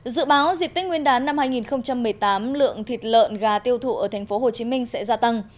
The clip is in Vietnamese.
dự báo dịp tết nguyên đán năm hai nghìn một mươi tám lượng thịt lợn gà tiêu thụ ở tp hcm sẽ gia tăng